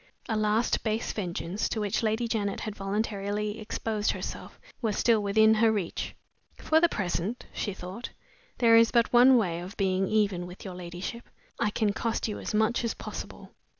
A last base vengeance, to which Lady Janet had voluntarily exposed herself, was still within her reach. "For the present," she thought, "there is but one way of being even with your ladyship. I can cost you as much as possible."